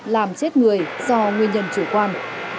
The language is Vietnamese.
làm chết người do nguyên nhân chủ quan